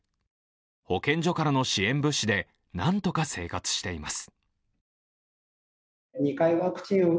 保健所からの支援物資でなんとか生活しています。